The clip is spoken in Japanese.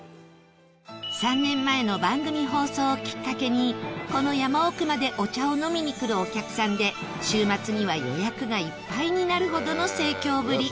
３年前の番組放送をきっかけにこの山奥までお茶を飲みに来るお客さんで週末には予約がいっぱいになるほどの盛況ぶり